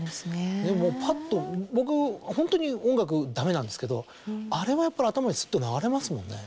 もうパッと僕ホントに音楽ダメなんですけどあれはやっぱり頭にスッと流れますもんね。